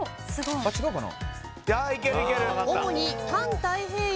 違うかな？